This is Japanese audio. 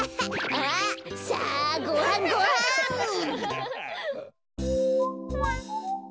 あっさあごはんごはん！